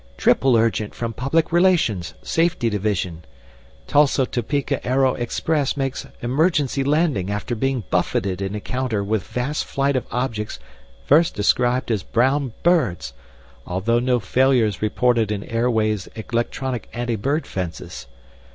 "Triple urgent from Public Relations, Safety Division. Tulsa Topeka aero express makes emergency landing after being buffeted in encounter with vast flight of objects first described as brown birds, although no failures reported in airway's electronic anti bird fences.